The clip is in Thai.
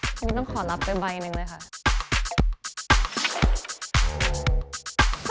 อันนี้ต้องขอรับเป็นไบหนึ่งหนึ่งเลยค่ะ